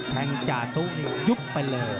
แทงจ่าทุกยุบไปเลย